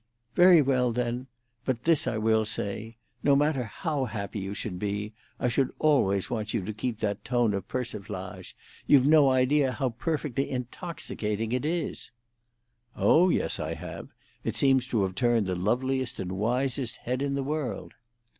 "Very well, then. But this I will say. No matter how happy you should be, I should always want you to keep that tone of persiflage. You've no idea how perfectly intoxicating it is." "Oh yes, I have. It seems to have turned the loveliest and wisest head in the world."